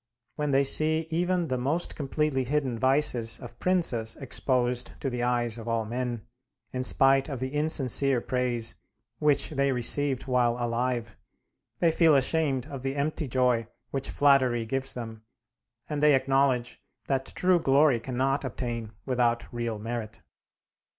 When they see even the most completely hidden vices of princes exposed to the eyes of all men, in spite of the insincere praise which they received while alive, they feel ashamed of the empty joy which flattery gives them, and they acknowledge that true glory cannot obtain without real merit.